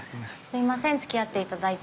すいませんつきあって頂いて。